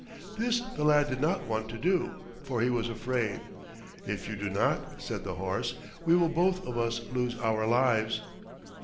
This the lad did not want to do, for he was afraid. "If you do not," said the horse, "we will both of us lose our lives."